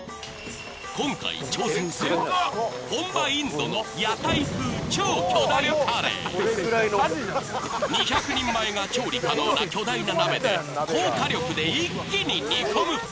今回、挑戦するのは、本場インドの屋台風超巨大カレー。２００人前が調理可能な巨大な鍋で、高火力で一気に煮込む。